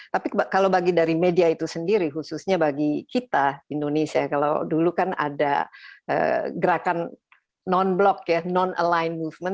tapi kalau bagi dari media itu sendiri khususnya bagi kita indonesia kalau dulu kan ada gerakan non block ya non align movement